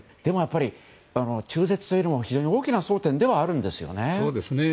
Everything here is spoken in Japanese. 中絶というのも非常に大きな争点ではあるんですよね。